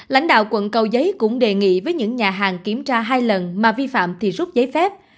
lãnh đạo quận cầu giấy cũng đề nghị với những nhà hàng kiểm tra hai lần mà vi phạm thì rút giấy phép